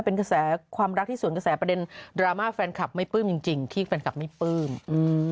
เป็นกระแสความรักที่สวนกระแสประเด็นดราม่าแฟนคลับไม่ปลื้มจริงจริงที่แฟนคลับไม่ปลื้มอืม